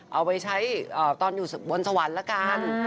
เอาไปใช้ตอนอยู่บนสวรรค์ละกัน